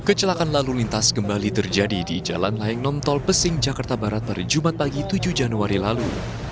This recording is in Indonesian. kecelakaan lalu lintas kembali terjadi di jalan layang nontol pesing jakarta barat pada jumat pagi tujuh januari lalu